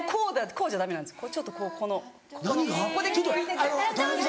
こうじゃダメなんですよ。